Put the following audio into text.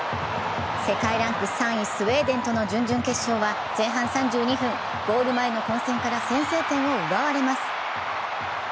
世界ランク３位・スウェーデンとの準々決勝では前半３２分、ゴール前の混戦から先制点を奪われます。